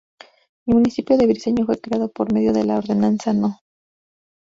El municipio de Briceño, fue creado por medio de la Ordenanza No.